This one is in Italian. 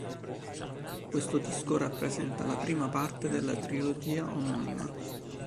Questo disco rappresenta la prima parte della trilogia omonima.